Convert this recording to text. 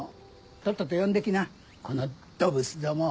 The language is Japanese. とっとと呼んで来なこのどブスども。